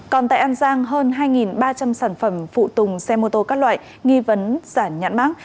còn tại an giang hơn hai ba trăm linh sản phẩm phụ tùng xe mô tô các loại nghi vấn giả nhãn mát